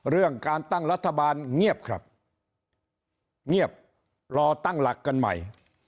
เรื่องการตั้งรัฐบาลเงียบครับเงียบรอตั้งหลักกันใหม่